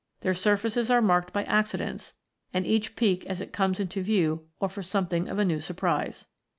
Their surfaces are marked by accidents, and each peak as it comes into view offers something of a new surprise.